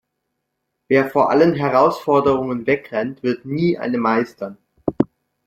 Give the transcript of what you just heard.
Wer vor allen Herausforderungen wegrennt, wird nie eine meistern.